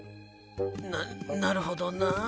ななるほどなぁ。